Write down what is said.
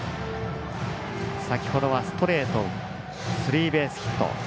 先ほどはストレートをスリーベースヒット。